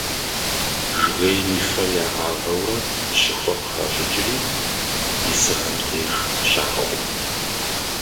Жыгейм и фэр ягъавэурэ щыхуэ къыхащӏыкӏри исыгъэм деж щахуэ.